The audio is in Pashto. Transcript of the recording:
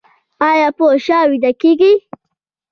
ایا په شا ویده کیږئ؟